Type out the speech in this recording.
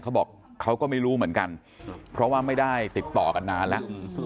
เขาบอกเขาก็ไม่รู้เหมือนกันเพราะว่าไม่ได้ติดต่อกันนานแล้ว